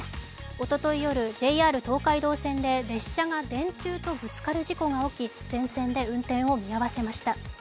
一昨日夜、ＪＲ東海道線で列車が電柱とぶつかる事故が起き全線で運転を見合わせました。